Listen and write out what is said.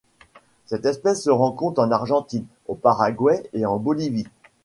Cette espèce se rencontre en Argentine, au Paraguay et en Bolivie.